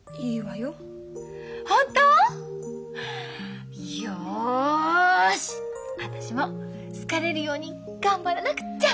よし私も好かれるように頑張らなくっちゃ。